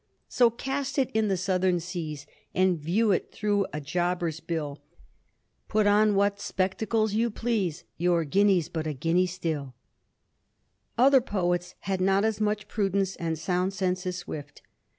So cast it in the Southern Seas, And view it through a jobber's bill, Put on what spectacles you please, Your guinea's but a guinea stiU. Other poets had not as much prudence and sound sense as Swift.